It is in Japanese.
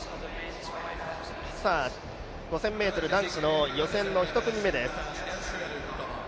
５０００ｍ男子の予選の１組目です。